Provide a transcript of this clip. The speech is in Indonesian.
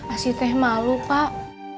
asih teh malu pak